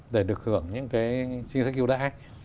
để được hưởng những cái chính sách hiệu đại